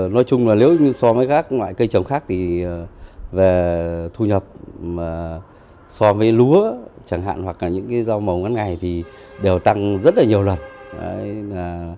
nói chung là nếu như so với các loại cây trồng khác thì về thu nhập so với lúa chẳng hạn hoặc là những cái rau màu ngắn ngày thì đều tăng rất là nhiều lần